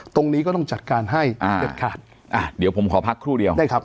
ตรงนี้ก็ต้องจัดการให้อ่าเด็ดขาดอ่าเดี๋ยวผมขอพักครู่เดียวใช่ครับ